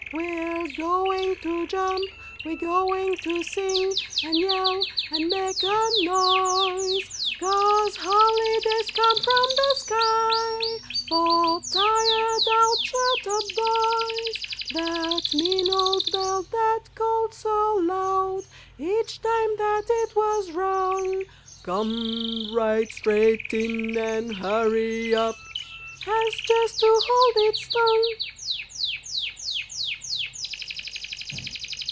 We're going to jump, we're going to sing, And yell, and make a noise 'Cause holidays come from the sky For tired out, shut up boys. That mean old bell that called so loud Each time that it was rung, Come right straight in and hurry up! Has just to hold its tongue.